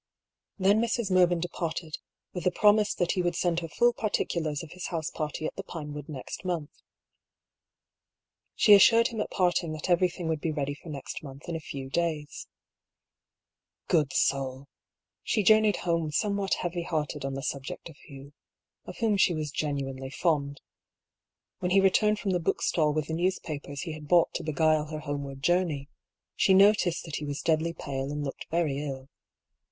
Then Mrs. Mervyn departed, with the promise that "TWIXT THE CUP AND THE LIP." 223 he would send her full particulars of his house party at the Pinewood next month. She assured him at parting that everything would be ready for next month in a few days. Good soul !— she journeyed home somewhat heavy hearted on the subject of Hugh, of whom she was genu inely fond. When he returned from the bookstall with the newspapers he had bought to beguile her homeward journey, she noticed that he was de.xdly pale and looked very ill.